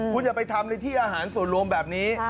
คุณอย่าไปทำในที่อาหารส่วนรวมแบบนี้